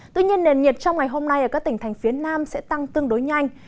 tuy nhiên nền nhiệt trong ngày hôm nay ở các tỉnh thành phía nam sẽ tăng tương đối nhanh